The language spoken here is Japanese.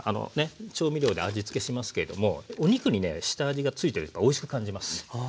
調味料で味つけしますけれどもお肉にね下味がついてればおいしく感じます。